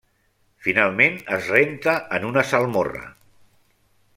Finalment es renta en una salmorra.